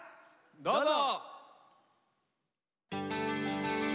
どうぞ！